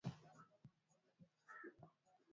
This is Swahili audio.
Umuhimu na Matumizi ya Viazi lishe